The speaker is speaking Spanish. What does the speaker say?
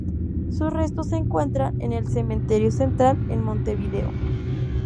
Sus restos se encuentran en el Cementerio Central, en Montevideo.